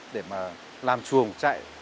để mà làm chuồng chạy